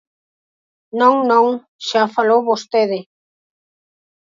Non, non, xa falou vostede.